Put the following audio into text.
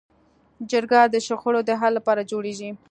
جرګه د شخړو د حل لپاره جوړېږي